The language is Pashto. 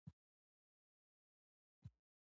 دویم فلیپ د پلار ځایناستی شو.